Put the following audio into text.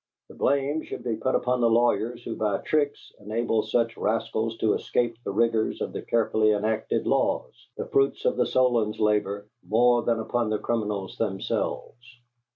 The blame should be put upon the lawyers who by tricks enable such rascals to escape the rigors of the carefully enacted laws, the fruits of the Solon's labor, more than upon the criminals themselves.